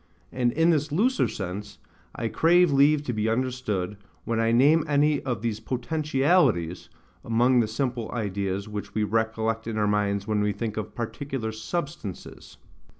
And in this looser sense I crave leave to be understood, when I name any of these POTENTIALITIES among the simple ideas which we recollect in our minds when we think of PARTICULAR SUBSTANCES.